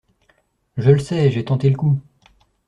Je le sais, j’ai tenté le coup.